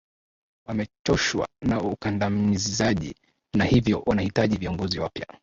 wamechoshwa na ukandamizaji na hivyo wanahitaji viongozi wapya